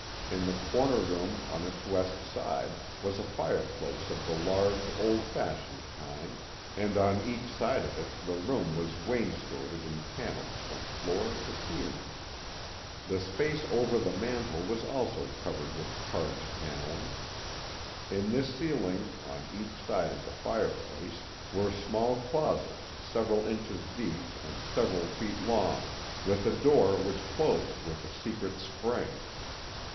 In the comer room on its west side was a fireplace of the large old fiashioned kind, and on each side of it the room was wains coted in panels from floor to ceiling. The space over the mantel was also covered with carved panelling. In thisceiling» on each side of the fireplace, were small closets several inches deep and several feet long with a door which closed with a secret spring.